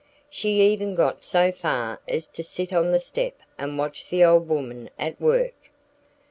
She even got so far as to sit on the step and watch the old woman at work.